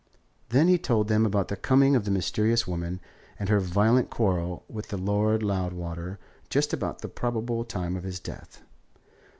Then he told them about the coming of the mysterious woman and her violent quarrel with the Lord Loudwater just about the probable time of his death.